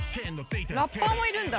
「ラッパーもいるんだ」